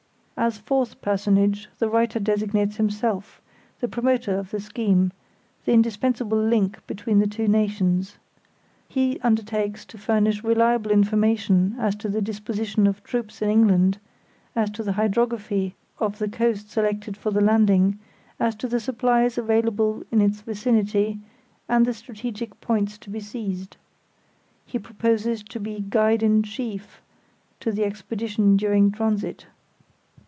As fourth personage, the writer designates himself, the promoter of the scheme, the indispensable link between the two nations. He undertakes to furnish reliable information as to the disposition of troops in England, as to the hydrography of the coast selected for the landing, as to the supplies available in its vicinity, and the strategic points to be seized. He proposes to be guide in chief to the expedition during transit.